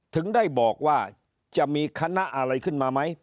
ถึงได้บอกว่าจะมีคณะอะไรขึ้นมาไหม